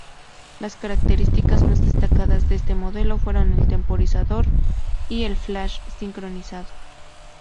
Las características más destacadas de este modelo fueron el temporizador y el flash sincronizado.